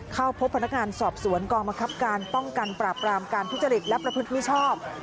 เข้าพบพนักงานสอบสวนกองบังคับการป้องกันปราบรามการทุจริตและประพฤติมิชชอบ